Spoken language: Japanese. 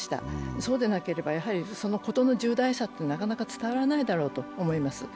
そうでなければ事の重大さって、なかなか伝わらないだろうと思います。